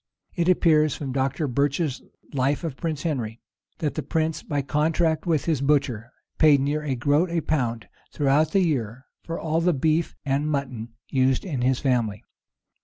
It appears from Dr. Birch's life of Prince Henry,[*] that that prince, by contract with his butcher, paid near a groat a pound throughout the year for all the beef and mutton used in his family.